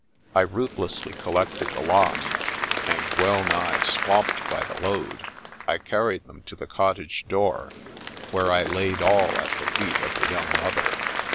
I ruth lessly collected the lot, and, well nigh swamped by the load, I carried them to the cottage door, where I laid all at the feet of the young mother.